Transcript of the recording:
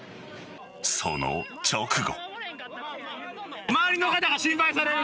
その直後。